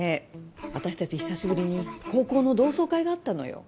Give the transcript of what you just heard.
あたし達久しぶりに高校の同窓会があったのよ。